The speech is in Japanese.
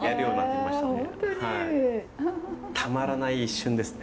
たまらない一瞬ですね。